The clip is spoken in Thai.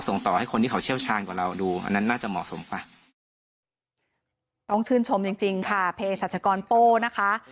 ต้องชื่นชมจริงค่ะเพศัตริย์ชะกรโป้นะคะ